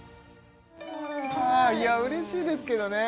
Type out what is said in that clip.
いやうれしいですけどね